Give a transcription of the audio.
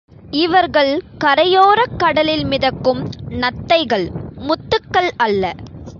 இவர்கள் கரையோரக் கடலில் மிதக்கும் நத்தைகள் முத்துக்கள் அல்ல.